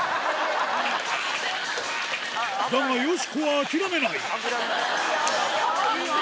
だがよしこは諦めないいいよ！